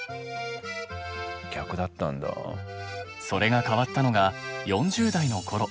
それが変わったのが４０代の頃。